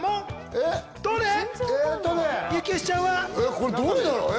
これどれだろう？え？